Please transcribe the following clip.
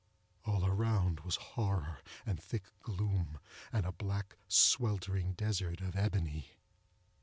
All around were horror, and thick gloom, and a black sweltering desert of ebony.